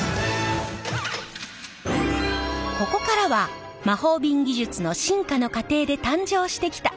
ここからは魔法瓶技術の進化の過程で誕生してきた